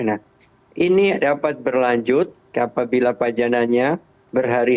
nah ini dapat berlanjut apabila pajanannya berhari